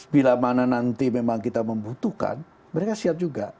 bila mana nanti memang kita membutuhkan mereka siap juga